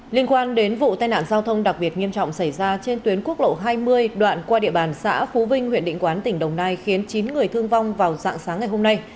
liên quan đến vụ tai nạn giao thông đặc biệt nghiêm trọng xảy ra trên tuyến quốc lộ hai mươi đoạn qua địa bàn xã phú vinh huyện định quán tỉnh đồng nai khiến chín người thương vong vào dạng sáng ngày hôm nay